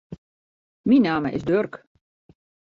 Myn namme is Durk.